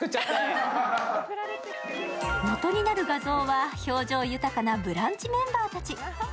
もとになる画像は表情豊かな「ブランチ」メンバーたち。